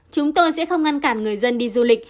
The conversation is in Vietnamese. chúng tôi sẽ không ngăn cản người dân đi du lịch